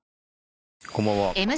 こんばんは。